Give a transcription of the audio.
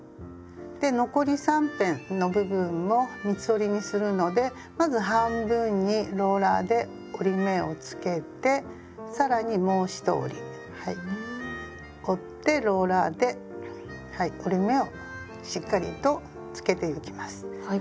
で残り三辺の部分も三つ折りにするのでまず半分にローラーで折り目をつけて更にもう一折り折ってローラーで折り目をしっかりとつけてゆきます。